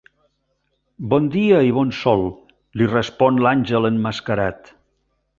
Bon dia i bon sol —li respon l'àngel emmascarat.